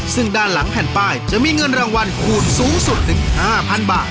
ซึ่งด้านหลังแผ่นป้ายจะมีเงินรางวัลคูณสูงสุดถึง๕๐๐๐บาท